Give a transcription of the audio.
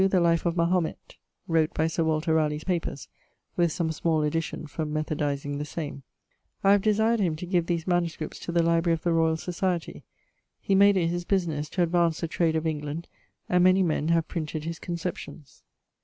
The Life of Mahomett, wrot by Sir Walter Raleigh's papers, with some small addition for methodizing the same. I have desired him to give these MSS. to the library of the Royal Society. He made it his businesse to advance the trade of England, and many men have printed his conceptions.